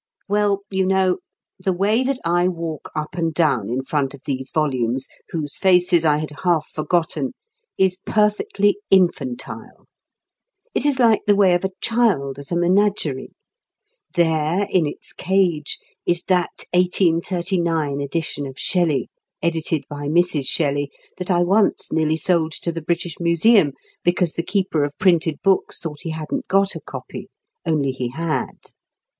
Well, you know, the way that I walk up and down in front of these volumes, whose faces I had half forgotten, is perfectly infantile. It is like the way of a child at a menagerie. There, in its cage, is that 1839 edition of Shelley, edited by Mrs. Shelley, that I once nearly sold to the British Museum because the Keeper of Printed Books thought he hadn't got a copy only he had!